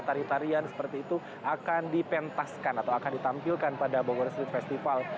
tarian tarian seperti itu akan dipentaskan atau akan ditampilkan pada bogor street festival